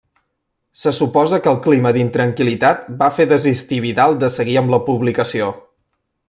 Se suposa que el clima d'intranquil·litat va fer desistir Vidal de seguir amb la publicació.